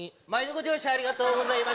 ご乗車ありがとうございます。